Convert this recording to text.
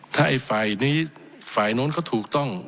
ถ้าไอ้ฝ่ายนี้ฝ่ายโน้นเขาถูกต้อง